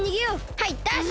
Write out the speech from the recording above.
はいダッシュ！